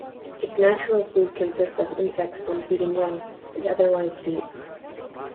Its natural food consists of insects when feeding young, and otherwise seeds.